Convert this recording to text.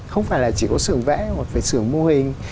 không phải là chỉ có xưởng vẽ hoặc phải xưởng mô hình